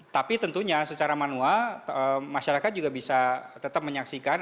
tapi tentunya secara manual masyarakat juga bisa tetap menyaksikan